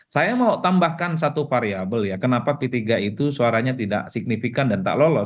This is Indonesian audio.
saya mau tambahkan satu variable ya kenapa p tiga itu suaranya tidak signifikan dan tak lolos